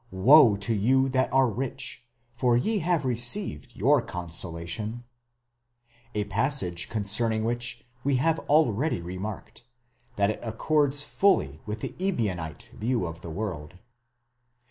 Woe to you that are rich! for ye have received your consolation; a passage concerning which we have already re marked, that it accords fully with the Ebionite view of the world.